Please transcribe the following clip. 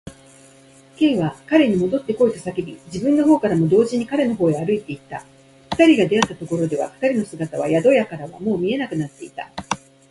Ｋ は彼にもどってこいと叫び、自分のほうからも同時に彼のほうへ歩いていった。二人が出会ったところでは、二人の姿は宿屋からはもう見えなくなっていた。